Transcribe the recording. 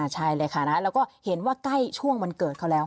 ใช่เลยค่ะแล้วก็เห็นว่าใกล้ช่วงวันเกิดเขาแล้ว